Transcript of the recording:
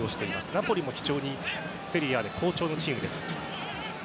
ナポリも非常にセリエＡの中で好調のチームです。